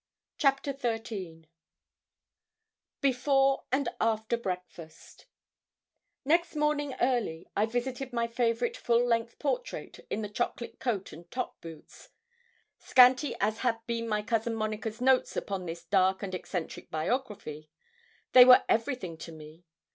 CHAPTER XIII BEFORE AND AFTER BREAKFAST Next morning early I visited my favourite full length portrait in the chocolate coat and top boots. Scanty as had been my cousin Monica's notes upon this dark and eccentric biography, they were everything to me.